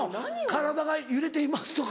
「体が揺れています」とか？